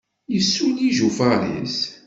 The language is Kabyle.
Yussuli ijufaṛ-is.